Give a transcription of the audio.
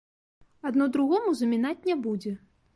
Адно другому замінаць не будзе.